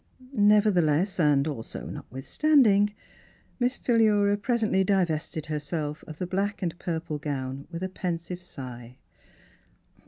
Nevertheless and also notwithstanding, Miss Philura presently divested herself of the black and purple gown with a pensive sigh.